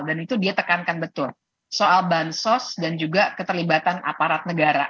dan itu dia tekankan betul soal bansos dan juga keterlibatan aparat negara